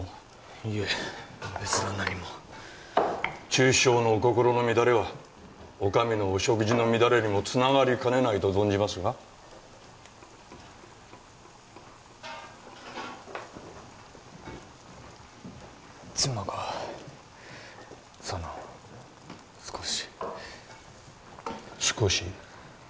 いえ別段何も厨司長のお心の乱れはお上のお食事の乱れにもつながりかねないと存じますが妻がその少し少し？